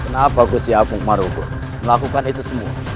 kenapa gusya abu marugod melakukan itu semua